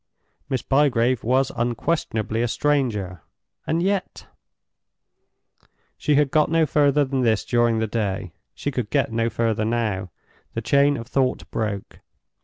Miss Bygrave was unquestionably a stranger; and yet— She had got no further than this during the day; she could get no further now: the chain of thought broke.